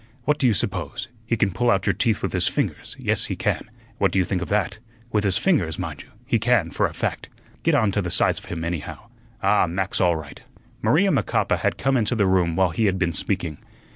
What do you suppose? He can pull out your teeth with his fingers; yes, he can. What do you think of that? With his fingers, mind you; he can, for a fact. Get on to the size of him, anyhow. Ah, Mac's all right!" Maria Macapa had come into the room while he had been speaking.